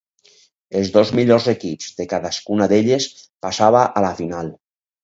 Els dos millors equips de cadascuna d'elles passava a la final.